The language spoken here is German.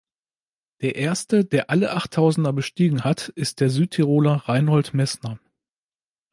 Der Erste, der alle Achttausender bestiegen hat, ist der Südtiroler Reinhold Messner.